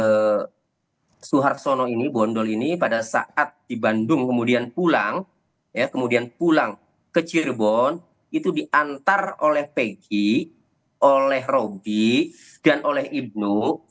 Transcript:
jadi soeharsono ini bondol ini pada saat di bandung kemudian pulang ya kemudian pulang ke cirebon itu diantar oleh peggy oleh robby dan oleh ibnu